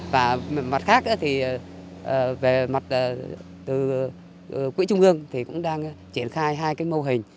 và mặt khác thì về mặt từ quỹ trung ương thì cũng đang triển khai hai cái mô hình